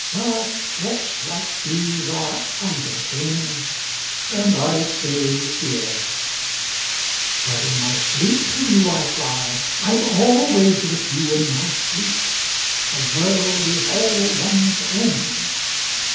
But thoughts like these are idle things, And I stay here. 5 But in my sleep to you I fly: I'm always with you in my sleep! The world is all one's own.